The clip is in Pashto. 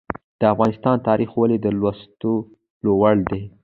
د افغانستان تاریخ ولې د لوستلو وړ دی؟